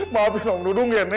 maafin om dudung ya